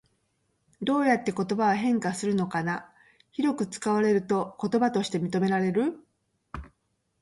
どうやって言葉は変化するのかな？広く使われると言葉として認められる？